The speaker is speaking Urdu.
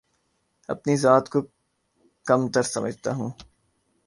اپنی ذات کو کم تر سمجھتا ہوں